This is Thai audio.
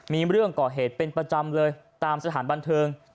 มีเรื่องก่อเหตุเป็นประจำเลยตามสถานบันเทิง